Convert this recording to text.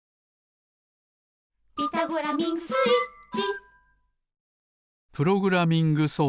「ピタゴラミングスイッチ」